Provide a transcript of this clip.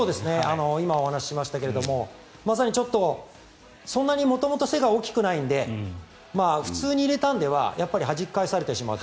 今、お話ししましたけどまさに、そんなに元々背が大きくないので普通に入れたのでははじき返されてしまうと。